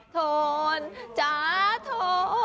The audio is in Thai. โทนจ้าโทน